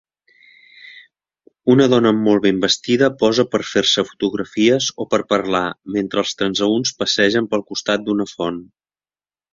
Una dona molt ben vestida posa per fer-se fotografies o per parlar, mentre els transeünts passegen pel costat d'una font.